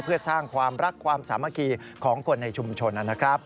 เพื่อสร้างความรักความสามัคคีของคนในชุมชนนะครับ